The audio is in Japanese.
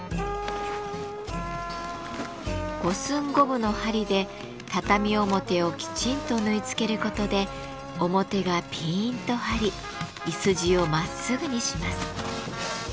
五寸五分の針で畳表をきちんと縫い付けることで表がピーンと張りいすじをまっすぐにします。